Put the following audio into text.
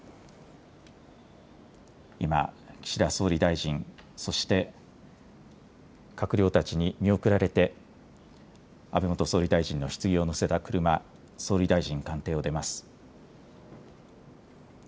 今、岸田総理大臣、そして閣僚たちに見送られて安倍元総理大臣のひつぎを乗せた車、総理大臣官邸を出ます。